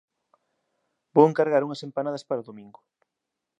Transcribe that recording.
Vou encargar unhas empanadas para o domingo.